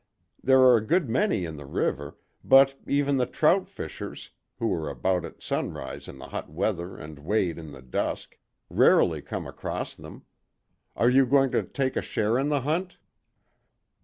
There are a good many in the river, but even the trout fishers, who are about at sunrise in the hot weather and wade in the dusk, rarely come across them. Are you going to take a share in the hunt?"